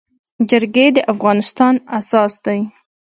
جرګي د افغانستان اساس دی.